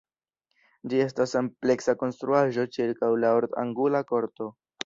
Ĝi estas ampleksa konstruaĵo ĉirkaŭ la ort-angula korto.